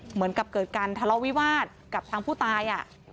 เหมือนกับเกิดการทะเลาะวิวาสกับทางผู้ตาย